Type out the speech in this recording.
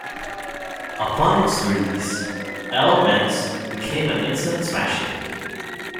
Upon its release, "Elle'ments" became an instant smash hit.